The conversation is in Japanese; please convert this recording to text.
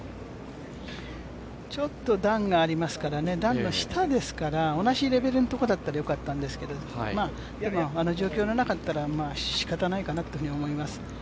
ちょっと段がありますから段の下ですから同じレベルのところだったらよかったんですけどあの状況の中だったら、しかたないかなと思います。